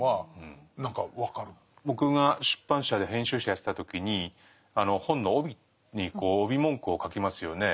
僕が出版社で編集者やってた時に本の帯に帯文句を書きますよね。